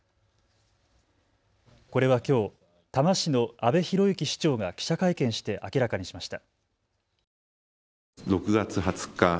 これはきょう多摩市の阿部裕行市長が記者会見して明らかにしました。